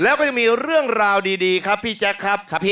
แล้วก็ยังมีเรื่องราวดีครับพี่แจ๊คครับ